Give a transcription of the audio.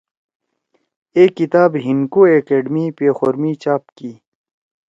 اے کتاب ہندکو ایکیڈیمی پیخور می چاپ کی۔